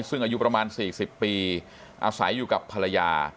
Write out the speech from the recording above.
ซึ่งอายุประมาณ๔๐ปีอาศัยอยู่กับภรรยา